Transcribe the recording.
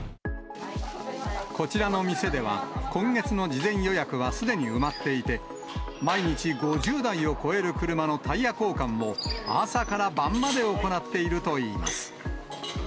こちらの店では、今月の事前予約はすでに埋まっていて、毎日、５０台を超える車のタイヤ交換を朝から晩まで行っているといいま